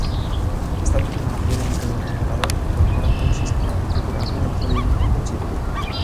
Esta tecnología de microcontrolador incorpora todo un sistema configurable dentro de un único chip.